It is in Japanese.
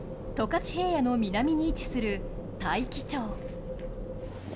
十勝平野の南に位置する大樹町。